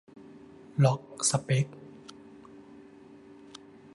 "ล็อกสเป็ค" ?